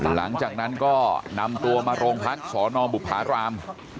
หลังจากนั้นก็นำตัวมาโรงพักสนบุภาราม